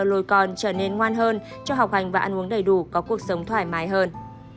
rồi còn trở nên ngoan hơn cho học hành và ăn uống đầy đủ có cuộc sống thoải mái hơn